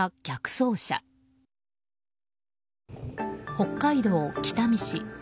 北海道北見市。